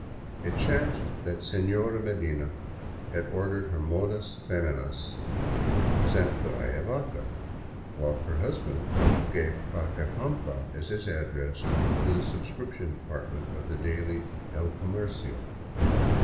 It chanced that Seiiora Medina had ordered her " Modas Femininas " sent to Ayavaca, while her husband gave Pacaipampa as his address to the subscription department of the daily " El Comercio."